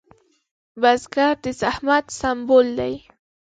بزګر د زحمت سمبول دی